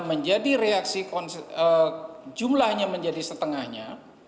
menjadi reaksi jumlahnya menjadi setengahnya